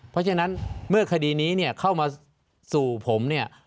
เพราะฉะนั้นเมื่อคดีนี้เนี่ยเข้ามาสู่ผมเนี่ย